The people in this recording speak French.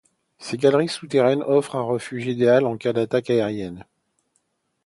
Ses galeries souterraines offrent un refuge idéal en cas d’attaque aérienne.